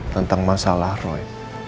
tentang masalah roy